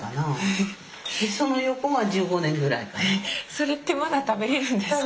それってまだ食べれるんですか？